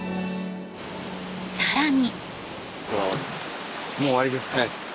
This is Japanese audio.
更に。